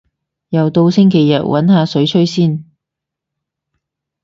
又到星期日，搵下水吹先